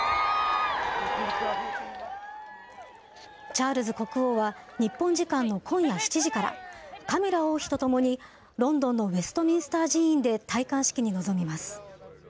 チャールズ国王は日本時間の今夜７時から、カミラ王妃と共にロンドンのウェストミンスター寺院で戴冠式に臨みます。